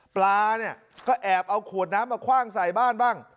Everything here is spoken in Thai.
ปลาเนี่ยก็แอบเอาขวดน้ำมาคว่างใส่บ้านบ้าง